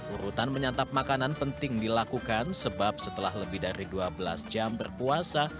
urutan menyatap makanan penting dilakukan sebab setelah lebih dari dua belas jam berpuasa